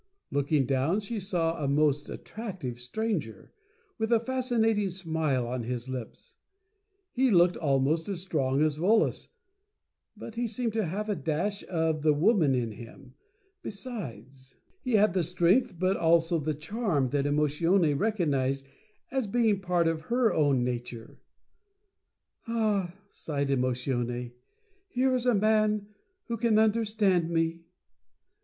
Looking down she saw a most attractive stranger, with a fascinating smile on his lips. He looked almost as strong as Volos, but he seemed to have a Dash of the Woman in him, be sides. He had the Strength, but also the Charm that Emotione recognized as being a part of her own na Fable of the Mentative Couple yj ture. "Ah," sighed Emotione, "here is a Man who can Understand me."